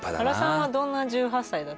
原さんはどんな１８歳？